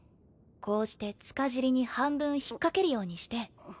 こうして柄尻に半分引っかけるようにして。